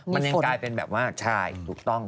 มันก็จะเป็นแบบว่าใช่ตูต้อง